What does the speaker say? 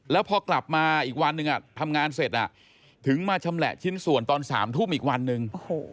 แล้วพอกลับมาอีกวันหนึ่งทำงานเสร็จถึงมาชำแหละชิ้นส่วนตอน๓ทุ่มอีกวันหนึ่ง